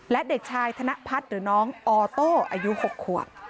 และเด็กชายธนพัฒน์หรือน้องออโต้อายุ๖ขวบ